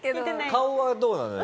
顔はどうなのよ？